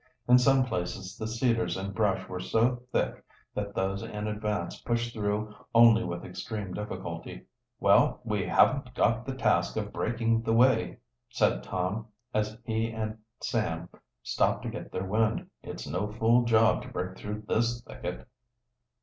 In some places the cedars and brush were so thick that those in advance pushed through only with extreme difficulty. "Well, we haven't got the task of breaking the way," said Tom, as he and Sam stopped to get their wind. "It's no fool job to break through this thicket."